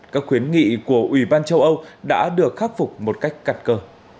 các khuyến nghị của ủy ban châu âu đã được khắc phục một cách cặt cơ